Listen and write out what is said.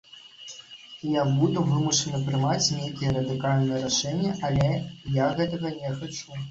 І я буду вымушаны прымаць нейкія радыкальныя рашэнні, але я гэтага не хачу.